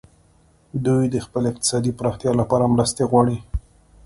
دوی د خپلې اقتصادي پراختیا لپاره مرستې غواړي